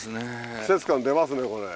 季節感出ますねこれ。